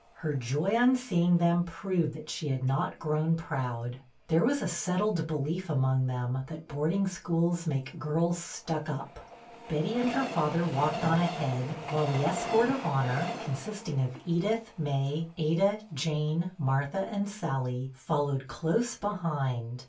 Her joy on seeing them AT HOME FOR CHRISTMAS 157 proved that she had not grown proud ; there was a settled belief among them that boarding schools make girls " stuck up." Betty and her father walked on ahead, while the escort of honor, consisting of Edith, May, Ada, Jane, Martha, and Sallie, followed close behind.